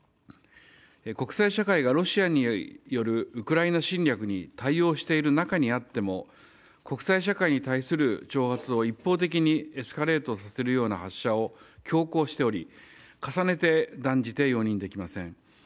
国際社会がロシアによるウクライナ侵略に対応している中にあっても国際社会に対する挑発を一方的にエスカレートさせるような発射を強行しており、重ねて断じて容認できません。